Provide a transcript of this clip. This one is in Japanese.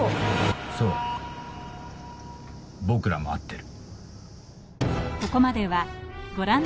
そう僕らも会ってる。